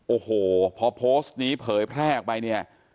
โอ้โหพอโพสต์นี้เผยแพร่ออกไปเนี่ย